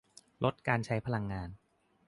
- ลดการใช้พลังงาน